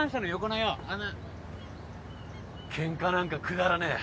ケンカなんかくだらねえ。